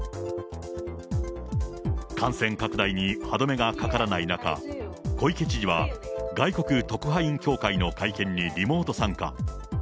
感染拡大に歯止めがかからない中、小池知事は外国特派員協会の会見にリモート参加。